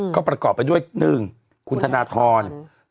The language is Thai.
ก็ประกอบไปด้วย๑คุณธนทร